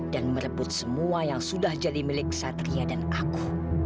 dan merebut semua yang sudah jadi milik satria dan aku